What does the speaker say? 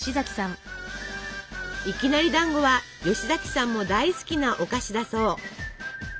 いきなりだんごは吉崎さんも大好きなお菓子だそう。